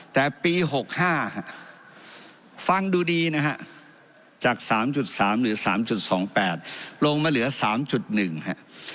แต่ปี๖๕ฟังดูดีนะฮะจาก๓๓หรือ๓๒๘ลงมาเหลือ๓๑ฮะ